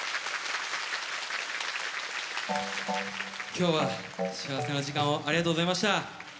今日は幸せな時間をありがとうございました。